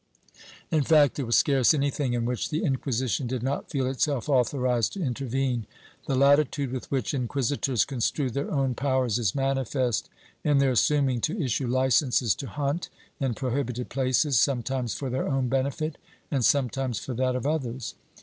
In fact, there was scarce anything in which the Inquisition did not feel itself authorized to intervene. The latitude with which inquisitors construed their ow^n powers is manifest in their assum ing to issue licences to hunt in prohibited places, sometimes for their own benefit and sometimes for that of others.